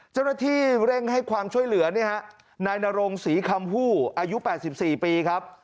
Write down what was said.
เจ้าหน้าที่เร่งให้ความช่วยเหลือนายนรงศรีคำผู้อายุ๘๔ปีครับ